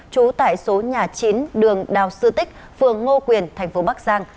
trú tại số nhà chín đường đào sư tích phường ngô quyền thành phố bắc giang